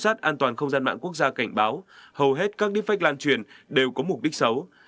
giám sát an toàn không gian mạng quốc gia cảnh báo hầu hết các defect lan truyền đều có mục đích xấu